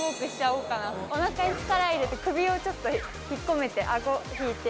おなかに力入れて、首をちょっと引っ込めて、あご引いて。